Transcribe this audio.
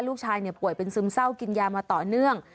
ลูกชายป่วยเป็นซึมเศร้ากินยามาต่อเนื่อง